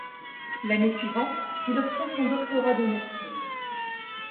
L'année suivante, il obtient son doctorat de médecine.